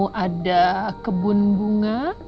kamu ada kebun bunga